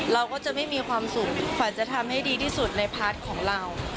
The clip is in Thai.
เราก็จะไม่มีความสุขขวัญจะทำให้ดีที่สุดในพาร์ทของเรา